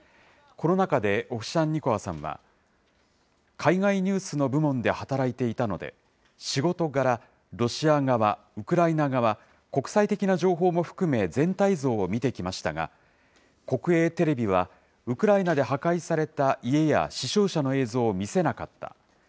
この中で、オフシャンニコワさんは、海外ニュースの部門で働いていたので、仕事柄、ロシア側、ウクライナ側、国際的な情報も含め、全体像を見てきましたが、国営テレビはウクライナで破壊された家や死傷者の映像を見せなかった。